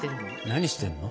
何してるの？